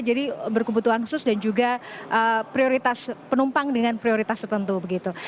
jadi berkebutuhan khusus dan juga prioritas penumpang dengan prioritas tertentu begitu